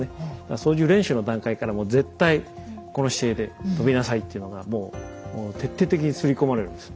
操縦練習の段階からもう絶対この姿勢で飛びなさいっていうのがもう徹底的にすり込まれるんです。